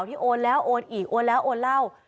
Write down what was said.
โอนแล้วโอนอีกโอนแล้วโอนเล่า